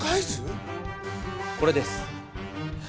これです。